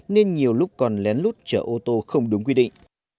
nên nhiều lúc còn lén lút chở ô tô không đúng quy định